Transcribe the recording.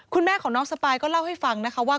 คุณแม่ของน้องสปายก็เล่าให้ฟังนะคะว่า